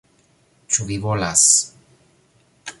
Ĉu vi volas...